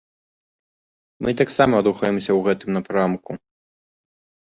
Мы таксама рухаемся ў гэтым напрамку.